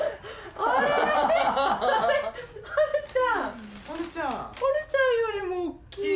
あるちゃんよりも大きい。